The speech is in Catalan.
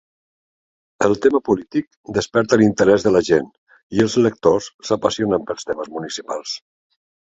El tema polític desperta l'interès de la gent i els lectors s'apassionen pels temes municipals.